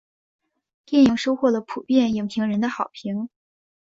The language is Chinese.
电影收获了普遍影评人的好评。